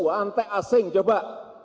hantai asing coba